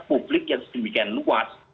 publik yang sedemikian luas